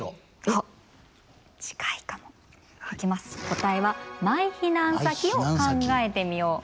答えは「マイ避難先を考えてみよう！」。